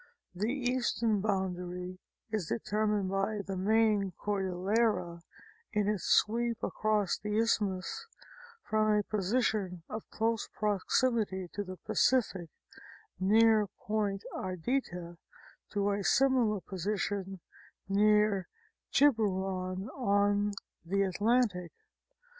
The eastern boundary is determined by the main Cordillera in its sweep across the Isthmus from a posi tion of close proximity to the Pacific, near Point Ardita, to a similar position near Tiburon, on the Atlantic.